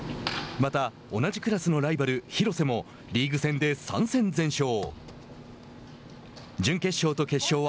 また、同じクラスのライバル廣瀬もリーグ戦で３戦全勝。